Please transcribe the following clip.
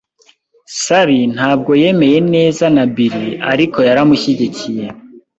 Sally ntabwo yemeye neza na Bill, ariko yaramushyigikiye .